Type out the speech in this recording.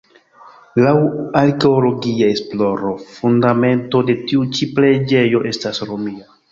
Laŭ arkeologia esploro fundamento de tiu ĉi preĝejo estas Romia.